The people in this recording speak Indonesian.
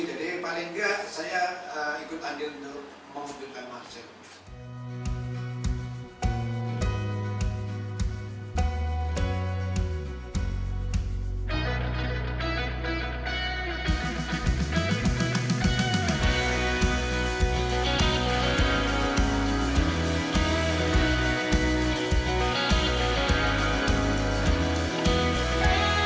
jadi paling enggak saya ikut andil untuk mengumpulkan marcel